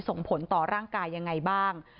ส่งผลต่อร่างกายยังไงบ้าง